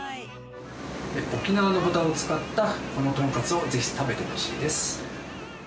沖縄の豚を使ったこのトンカツをぜひ食べてほしいです。